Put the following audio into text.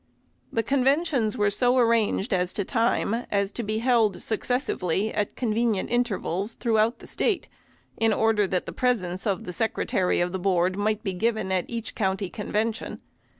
The conventions were so arranged as to time, as to be held successively at convenient intervals throughout the State, in order that the presence of the Secretary of the Board might be given at each county convention.